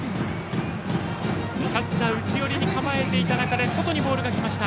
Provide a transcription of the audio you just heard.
キャッチャー内寄りに構えていた中で外にボールが来ました。